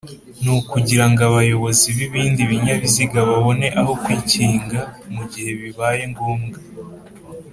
nukugirango abayobozi b’ibindi binyabiziga, babone aho kwikinga mungihe bibayengombwa